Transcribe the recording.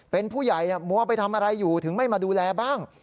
เป็นผู้ใหญ่มัวไปทำอะไรอยู่ถึงไม่มาดูแลบ้าง